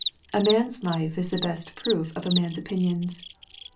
A man's life is the best proof of a man's opinions.